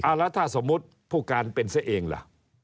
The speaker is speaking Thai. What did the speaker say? เอาละถ้าสมมติผู้การเป็นเสียเองล่ะ